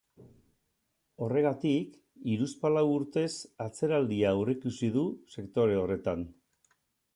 Horregatik, hiruzpalau urtez, atzeraldia aurreikusi du sektore horretan.